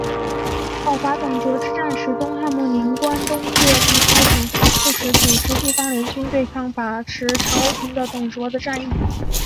讨伐董卓之战是东汉末年关东各地太守刺史组织地方联军对抗把持朝廷的董卓的战役。